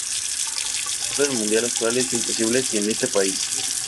El orden mundial actual es imposible sin este país.